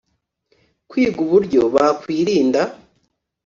kwiga uburyo bakwirinda